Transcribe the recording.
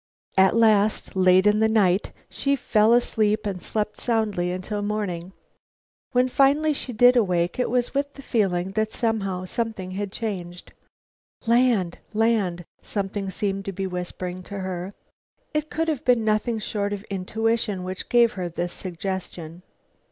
At last, late in the night, she fell asleep and slept soundly until morning. When finally she did awake, it was with the feeling that somehow something had changed. "Land! Land!" something seemed to be whispering to her. It could have been nothing short of intuition which gave her this suggestion.